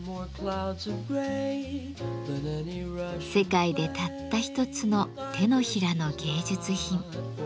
世界でたった一つの手のひらの芸術品。